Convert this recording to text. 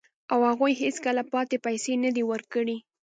او هغوی هیڅکله پاتې پیسې نه دي ورکړي